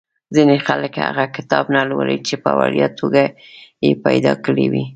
ځینې خلک هغه کتاب نه لولي چې په وړیا توګه یې پیدا کړی وي.